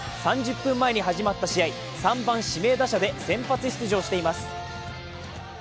３０分前に始まった試合、３番・指名打者で先発出場しています。